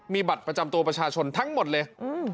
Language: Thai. มีบัตรประจำตัวประชาชนทั้งหมดเลย